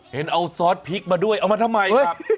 เห็นเอาซอสพริกมาด้วยเอามาทำไมครับ